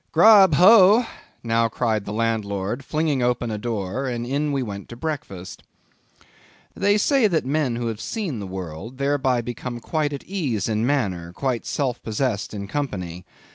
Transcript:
"Grub, ho!" now cried the landlord, flinging open a door, and in we went to breakfast. They say that men who have seen the world, thereby become quite at ease in manner, quite self possessed in company.